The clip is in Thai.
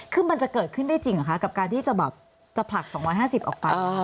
คือมันจะเกิดขึ้นได้จริงเหรอคะกับการที่จะแบบจะผลัก๒๕๐ออกไป